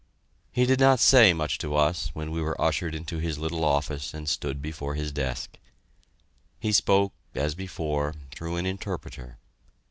He did not say much to us when we were ushered into his little office and stood before his desk. He spoke, as before, through an interpreter.